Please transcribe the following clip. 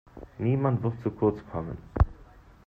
Niemand wird zu kurz kommen.